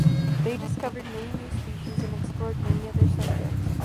They discovered many new species, and explored many other subjects.